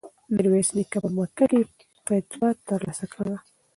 میرویس نیکه په مکه کې فتوا ترلاسه کړې وه.